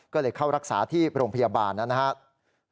ก็เลยเข้ารักษาที่โรงพยาบาลนะครับ